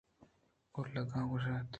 اولگا ءَ گوٛشت